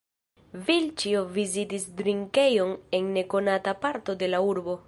Vilĉjo vizitis drinkejon en nekonata parto de la urbo.